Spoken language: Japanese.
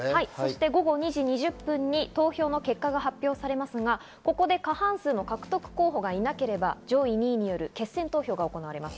午後２時２０分に投票の結果が発表されますが、ここで過半数の獲得候補がいなければ上位２位による決選投票が行われます。